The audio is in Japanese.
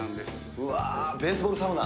うわー、ベースボールサウナ。